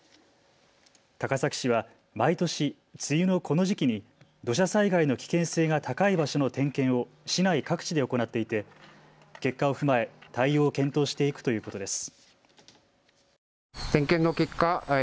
高崎市は毎年、梅雨のこの時期に土砂災害の危険性が高い場所の点検を市内各地で行っていて結果を踏まえ対応を検討していくということです。